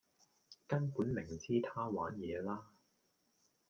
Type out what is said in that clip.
根本明知她玩野啦.....